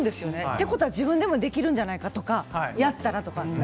ということは自分でもできるんじゃないかやったらとね。